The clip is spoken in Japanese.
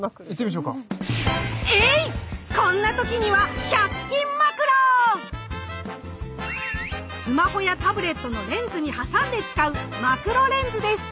こんな時にはスマホやタブレットのレンズに挟んで使うマクロレンズです。